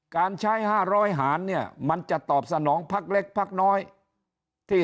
การใช้๕๐๐หารเนี่ยมันจะตอบสนองพักเล็กพักน้อยที่